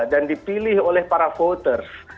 dan dipilih oleh para voters